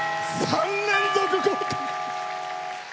３連続合格。